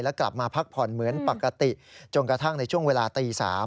กลับมาพักผ่อนเหมือนปกติจนกระทั่งในช่วงเวลาตี๓